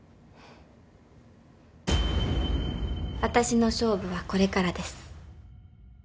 私の勝負はこれからです。